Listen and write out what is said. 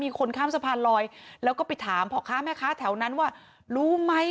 คนข้ามสะพานลอยแล้วก็ไปถามพ่อค้าแม่ค้าแถวนั้นว่ารู้ไหม